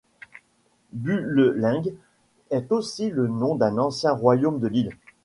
Buleleng est aussi le nom d'un ancien royaume de l'île.